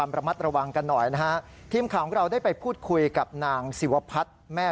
ปรากฏว่าคนรถเก่งนี่ขับตามมา